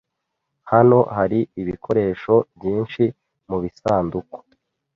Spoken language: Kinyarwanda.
Hano hari ibikoresho byinshi mubisanduku.